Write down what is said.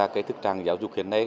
cái thực trạng giáo dục hiện nay